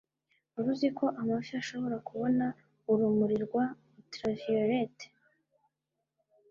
wari uziko amafi ashobora kubona urumuri rwa ultraviolet